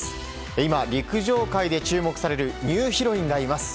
今、陸上界で注目されるニューヒロインがいます。